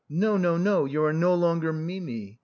No, no, no, you are no longer Mimi.